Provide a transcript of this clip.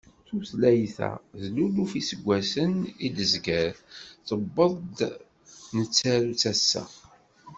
Tutlayt-a d luluf iseggasen i d-tezger, tewweḍ-aɣ-d nettaru-tt assa.